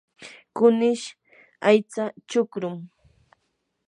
kunish aycha chukrum.